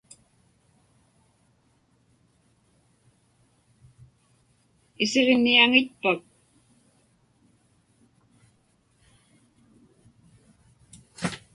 Isiġniaŋitpak?